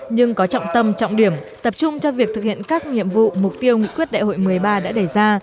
nhưng có trọng tâm trọng điểm tập trung cho việc thực hiện các nhiệm vụ mục tiêu nghị quyết đại hội một mươi ba đã đề ra